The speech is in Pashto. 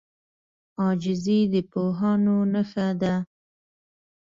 عاجزي د پوهانو نښه ده.